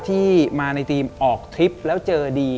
ที่มาในทีมออกทริปแล้วเจอดี